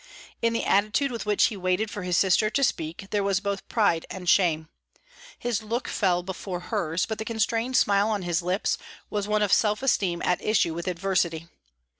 In the attitude with which he waited for his sister to speak there was both pride and shame; his look fell before hers, but the constrained smile on his lips was one of self esteem at issue with adversity.